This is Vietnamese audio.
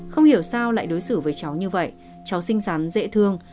không hiểu sao lại đối xử với cháu như vậy cháu xinh xắn dễ thương